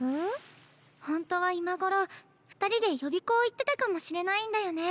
ほんとは今頃２人で予備校行ってたかもしれないんだよね。